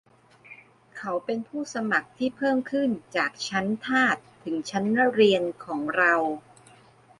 เขาเป็นผู้สมัครที่เพิ่มขึ้นจากชั้นทาสถึงชั้นเรียนของเรา